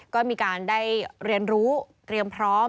ก็มีการได้เรียนรู้เตรียมพร้อม